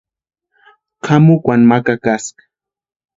Kʼamukwani ma kakaska.